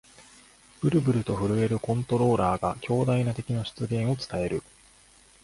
ブルブルと震えるコントローラーが、強大な敵の出現を伝える